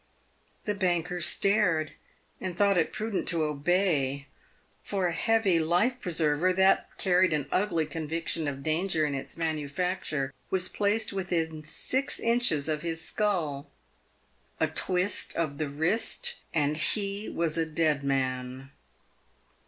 The banker stared, and thought it prudent to obey, for a heavy life pre server, that carried an ugly conviction of danger in its manufacture, was placed within six inches of his skull. A twist of the wrist and he was a dead man.